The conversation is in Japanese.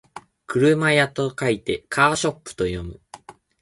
車屋と書いてカーショップと読む